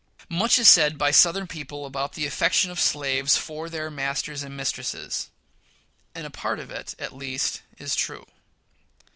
Much is said by Southern people about the affection of slaves for their masters and mistresses; and a part of it, at least, is true.